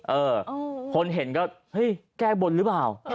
เออคนเห็นก็เฮ้ยแก้บนหรือเปล่า